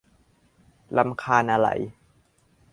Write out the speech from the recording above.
รำคาญอะไร